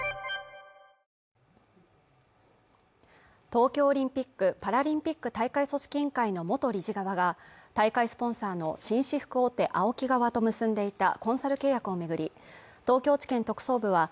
東京オリンピック・パラリンピック大会組織委員会の元理事側が大会スポンサーの紳士服大手ＡＯＫＩ側と結んでいたコンサル契約をめぐり東京地検特捜部はＡＯＫＩ